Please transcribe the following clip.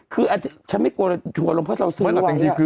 คืออาจจะฉันไม่กลัวลงเพราะเราซื้อว่างนี้